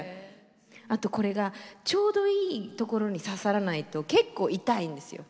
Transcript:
あとこれがちょうどいいところに挿さらないと結構痛いんですよ。